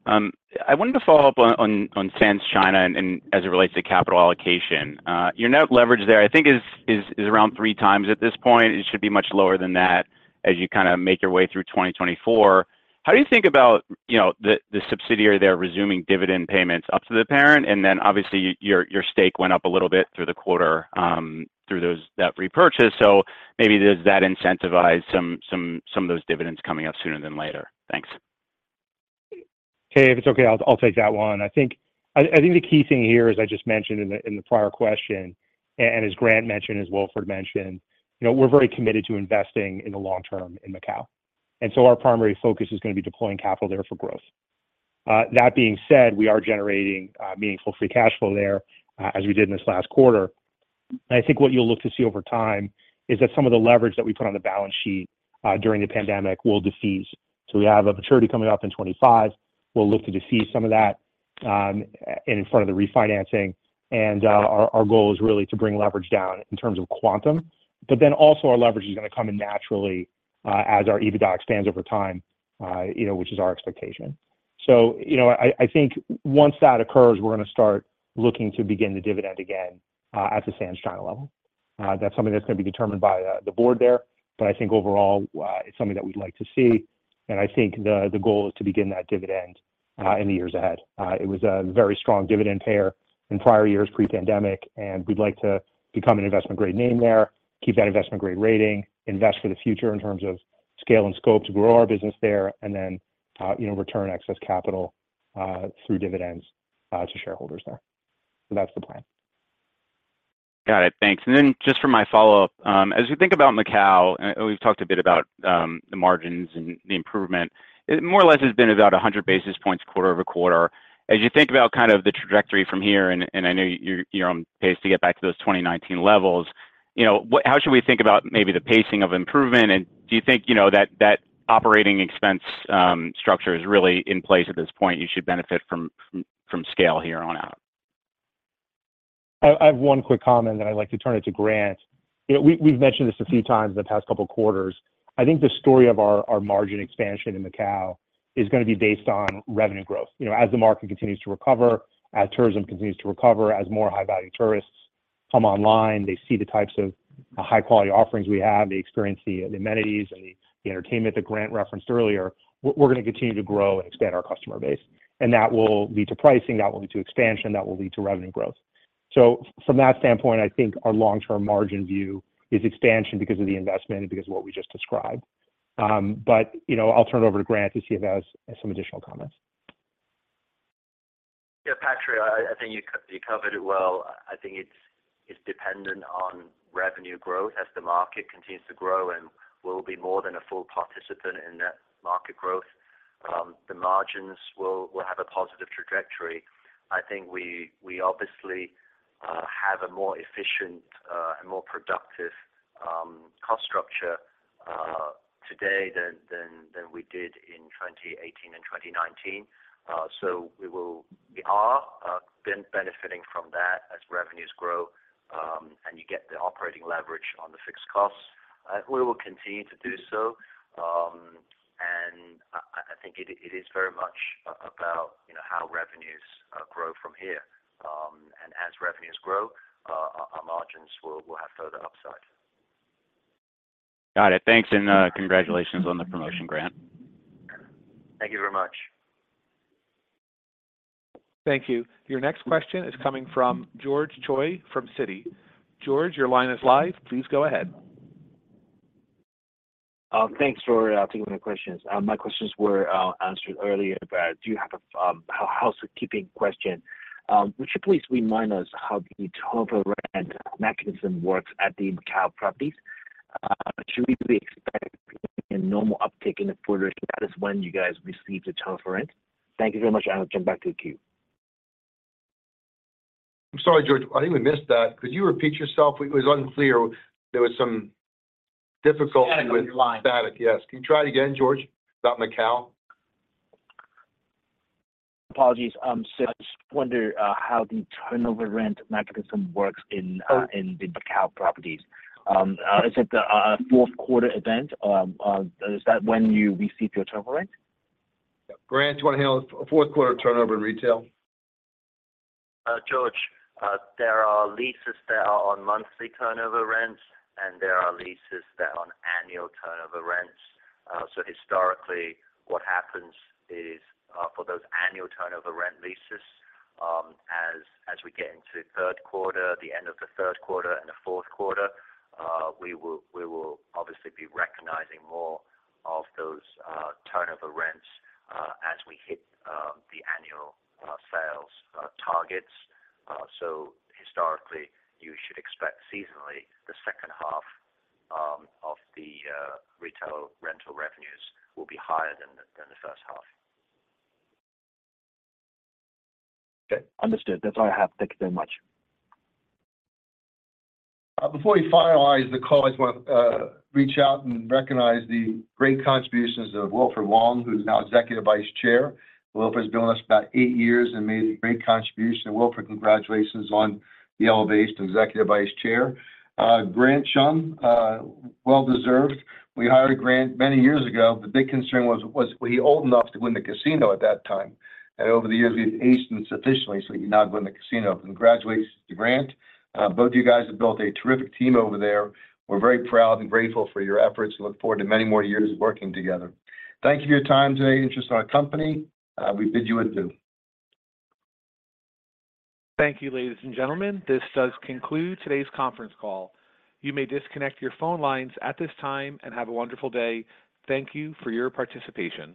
I wanted to follow up on Sands China and as it relates to capital allocation. Your net leverage there, I think is around 3x at this point. It should be much lower than that as you kind of make your way through 2024. How do you think about, you know, the subsidiary there resuming dividend payments up to the parent? And then obviously, your stake went up a little bit through the quarter through that repurchase. So maybe does that incentivize some of those dividends coming up sooner than later? Thanks. Hey, if it's okay, I'll take that one. I think the key thing here, as I just mentioned in the prior question, and as Grant mentioned, as Wilfred mentioned, you know, we're very committed to investing in the long term in Macao. And so our primary focus is going to be deploying capital there for growth. That being said, we are generating meaningful free cash flow there, as we did in this last quarter. And I think what you'll look to see over time is that some of the leverage that we put on the balance sheet during the pandemic will decrease. So we have a maturity coming up in 2025. We'll look to decrease some of that, and in front of the refinancing, and our goal is really to bring leverage down in terms of quantum. But then also our leverage is going to come in naturally, as our EBITDA expands over time, you know, which is our expectation. So, you know, I, I think once that occurs, we're going to start looking to begin the dividend again, at the Sands China level. That's something that's going to be determined by the board there, but I think overall, it's something that we'd like to see, and I think the goal is to begin that dividend in the years ahead. It was a very strong dividend payer in prior years, pre-pandemic, and we'd like to become an investment-grade name there, keep that investment-grade rating, invest for the future in terms of scale and scope to grow our business there, and then, you know, return excess capital through dividends to shareholders there. So that's the plan. Got it. Thanks. And then just for my follow-up, as you think about Macao, and we've talked a bit about, the margins and the improvement, it more or less has been about 100 basis points quarter-over-quarter. As you think about kind of the trajectory from here, and, and I know you're, you're on pace to get back to those 2019 levels, you know, what, how should we think about maybe the pacing of improvement, and do you think, you know, that, that operating expense structure is really in place at this point, you should benefit from, from scale here on out? I have one quick comment, then I'd like to turn it to Grant. You know, we've mentioned this a few times in the past couple of quarters. I think the story of our margin expansion in Macao is going to be based on revenue growth. You know, as the market continues to recover, as tourism continues to recover, as more high-value tourists come online, they see the types of high-quality offerings we have, they experience the amenities and the entertainment that Grant referenced earlier, we're going to continue to grow and expand our customer base. And that will lead to pricing, that will lead to expansion, that will lead to revenue growth. So from that standpoint, I think our long-term margin view is expansion because of the investment and because of what we just described. But, you know, I'll turn it over to Grant Chum to see if he has some additional comments. Yeah, Patrick, I think you covered it well. I think it's dependent on revenue growth. As the market continues to grow and we'll be more than a full participant in that market growth, the margins will have a positive trajectory. I think we obviously have a more efficient and more productive cost structure today than we did in 2018 and 2019. So we are benefiting from that as revenues grow, and you get the operating leverage on the fixed costs. We will continue to do so, and I think it is very much about, you know, how revenues grow from here. And as revenues grow, our margins will have further upside. Got it. Thanks, and congratulations on the promotion, Grant Chum. Thank you very much. Thank you. Your next question is coming from George Choi from Citi. George, your line is live. Please go ahead. Thanks for taking my questions. My questions were answered earlier, but I do have a housekeeping question. Would you please remind us how the turnover rent mechanism works at the Macao properties? Should we be expecting a normal uptick in the quarter? That is when you guys receive the turnover rent. Thank you very much. I will turn back to the queue. I'm sorry, George, I think we missed that. Could you repeat yourself? It was unclear. There was some difficulty-... With the line. Got it. Yes. Can you try it again, George, about Macao? Apologies. So, I just wonder how the turnover rent mechanism works in the Macao properties. Is it a fourth quarter event, is that when you receive your turnover rent? Grant, do you want to handle fourth quarter turnover in retail? George, there are leases that are on monthly turnover rents, and there are leases that are on annual turnover rents. So historically, what happens is, for those annual turnover rent leases, as we get into third quarter, the end of the third quarter and the fourth quarter, we will obviously be recognizing more of those turnover rents, as we hit the annual sales targets. So historically, you should expect seasonally, the second half of the retail rental revenues will be higher than the first half. Okay, understood. That's all I have. Thank you very much. Before we finalize the call, I just want to reach out and recognize the great contributions of Wilfred Wong, who's now Executive Vice Chairman. Wilfred's been with us about eight years and made a great contribution. Wilfred, congratulations on the elevation to Executive Vice Chairman. Grant Chum, well deserved. We hired Grant many years ago. The big concern was he old enough to run the casino at that time? And over the years, he's aged sufficiently, so he can now run the casino. Congratulations to Grant. Both of you guys have built a terrific team over there. We're very proud and grateful for your efforts. We look forward to many more years of working together. Thank you for your time today and interest in our company. We bid you adieu. Thank you, ladies and gentlemen. This does conclude today's conference call. You may disconnect your phone lines at this time, and have a wonderful day. Thank you for your participation.